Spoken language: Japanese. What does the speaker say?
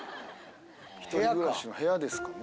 １人暮らしの部屋ですかね。